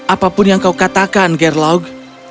apapun yang kau katakan gerlogue